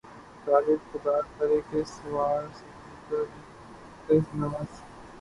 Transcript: غالبؔ! خدا کرے کہ‘ سوارِ سمندِ ناز